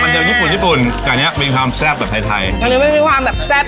เดียวญี่ปุ่นญี่ปุ่นแต่อันนี้มีความแซ่บแบบไทยไทยอันนี้ไม่มีความแบบแซ่บ